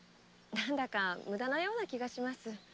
何だか無駄なような気がします。